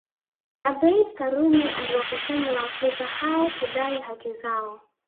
Abeid Karume aliwakusanya waafrika hao kudai haki zao